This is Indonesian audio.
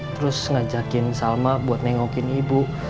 terus ngajakin salma buat nengokin ibu